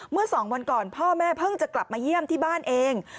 เมื่อ๒วันก่อนพ่อแม่เพิ่งจะกลับมาเยี่ยมที่บ้านเอง